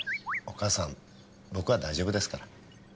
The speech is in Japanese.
お母さん僕は大丈夫ですから。